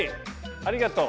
ありがとう。